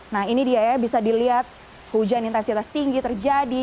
nah ini dia ya bisa dilihat hujan intensitas tinggi terjadi